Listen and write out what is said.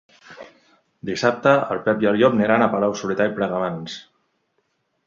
Dissabte en Pep i en Llop aniran a Palau-solità i Plegamans.